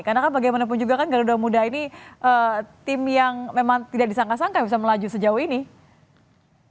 karena kan bagaimanapun juga kan garuda muda ini tim yang memang tidak disangka sangka bisa melaju sejauh ini